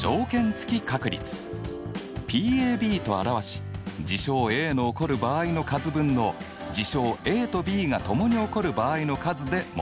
Ｐと表し事象Ａの起こる場合の数分の事象ＡとＢがともに起こる場合の数で求められました。